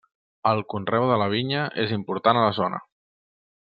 El conreu de la vinya és important a la zona.